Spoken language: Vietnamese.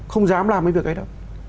không dám làm cái việc ấy đâu